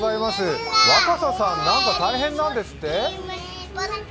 若狭さん、なんか大変なんですって？